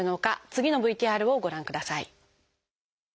次のＶＴＲをご覧ください。